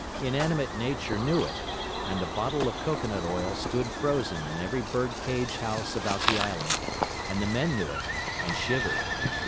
Inanimate nature knew it, and the bottle of cocoanut oil stood frozen in every bird cage house about the island; and the men knew it, and shivered.